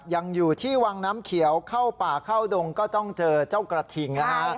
ยังอยู่ที่วังน้ำเขียวเข้าป่าเข้าดงก็ต้องเจอเจ้ากระทิงนะฮะ